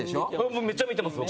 もうめっちゃ見てます僕。